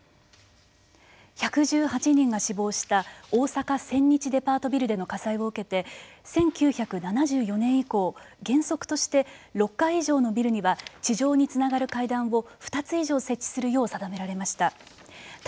１１８人が死亡した大阪千日デパートビルでの火災を受けて１９７４年以降原則として６階以上のビルには地上につながる階段を２つ以上設置するよう定められました。